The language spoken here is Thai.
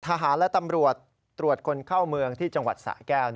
ทหารและตำรวจตรวจคนเข้าเมืองที่จังหวัดสะแก้ว